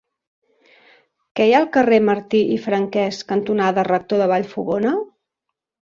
Què hi ha al carrer Martí i Franquès cantonada Rector de Vallfogona?